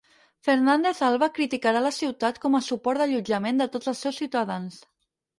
Fernández Alba criticarà la ciutat com a suport d'allotjament de tots els seus ciutadans.